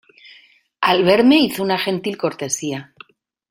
al verme hizo una gentil cortesía